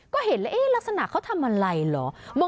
ก็เห็นแล้วลักษณะเขาทำอะไรเหรอ